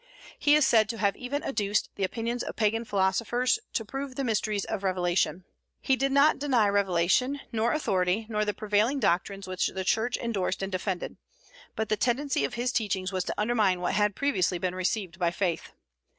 He is said to have even adduced the opinions of Pagan philosophers to prove the mysteries of revelation. He did not deny revelation, nor authority, nor the prevailing doctrines which the Church indorsed and defended; but the tendency of his teachings was to undermine what had previously been received by faith.